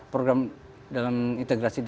program dalam integrasi